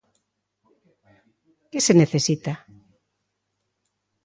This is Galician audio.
Que se necesita?